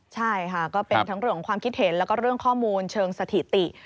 ใช่ค่ะก็เป็นทั้งเรื่องของความคิดเห็นแล้วก็เรื่องข้อมูลเชิงสถิติ